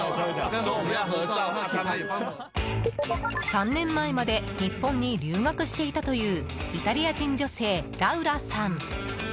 ３年前まで日本に留学していたというイタリア人女性、ラウラさん。